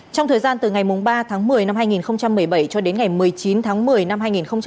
trong thời gian từ ngày ba tháng một mươi năm hai nghìn một mươi bảy cho đến ngày một mươi chín tháng một mươi năm hai nghìn một mươi chín